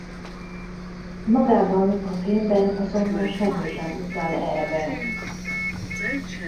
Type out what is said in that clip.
Magában a filmben azonban semmi sem utal erre.